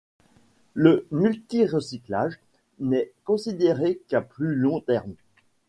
Le multi-recyclage n'est considéré qu'à plus long terme.